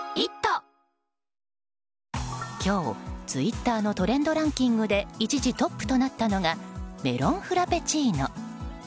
今日、ツイッターのトレンドランキングで一時トップとなったのがメロンフラペチーノ。